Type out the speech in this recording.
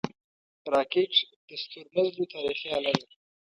راکټ د ستورمزلو تاریخي اله ده